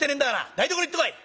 台所へ行ってこい」。